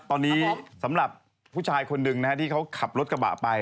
ตอนนี้สำหรับผู้ชายคนนึงที่เขาขับรถกระป๋าไป